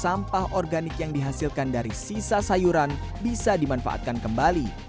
sampah organik yang dihasilkan dari sisa sayuran bisa dimanfaatkan kembali